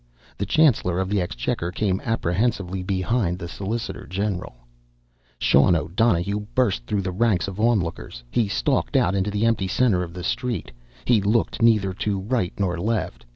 The Chancellor of the Exchequer came apprehensively behind the solicitor general. Sean O'Donohue burst through the ranks of onlookers. He stalked out onto the empty center of the street. He looked neither to right nor left.